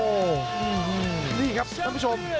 โอ้โหนี่ครับท่านผู้ชม